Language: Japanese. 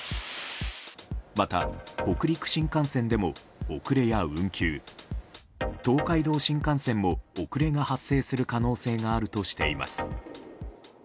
また、北陸新幹線でも遅れや運休東海道新幹線も遅れが発生する可能性があるとしています。